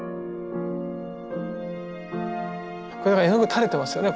絵の具垂れてますよね。